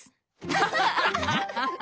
アハハハ！